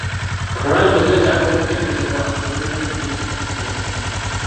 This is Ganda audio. Amalwaliro geetaaga okuberebwa emirundi mingi bulijjo.